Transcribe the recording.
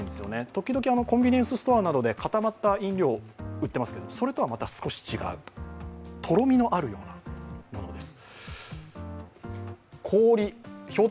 時々、コンビニエンスストアなどで固まった飲料が売っていますけれどもそれとはまた少し違う、とろみのあるようなものです。